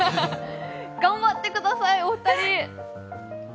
頑張ってください、お二人。